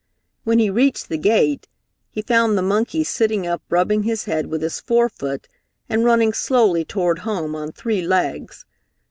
When he reached the gate, he found the monkey sitting up rubbing his head with his forefoot and running slowly toward home on three legs.